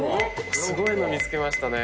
すごいの見つけましたね。